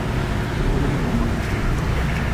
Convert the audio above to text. ওখানেই থাকো তুমি।